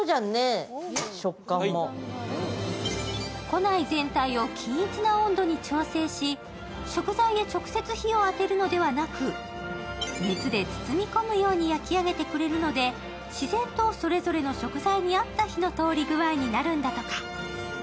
庫内全体を均一な温度に調整し、食材へ直接、火を当てるのではなく熱で包み込むように焼き上げてくれるので自然とそれぞれの食材に合った火の通り具合になるんだとか。